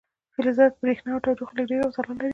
فلزات بریښنا او تودوخه لیږدوي او ځلا لري.